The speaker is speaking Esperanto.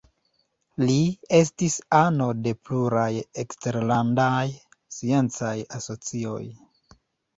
Li estis ano de pluraj eksterlandaj sciencaj asocioj.